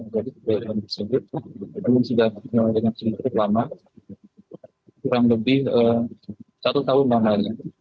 jadi sebelum sudah menyebut lama kurang lebih satu tahun lamanya